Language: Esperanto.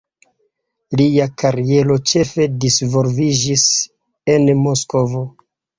Lia kariero ĉefe disvolviĝis en Moskvo.